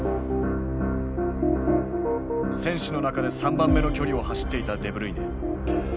選手の中で３番目の距離を走っていたデブルイネ。